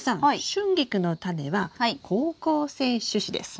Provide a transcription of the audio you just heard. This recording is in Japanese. シュンギクのタネは好光性種子です。